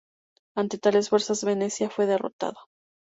Ante tales fuerzas Venecia fue derrotada.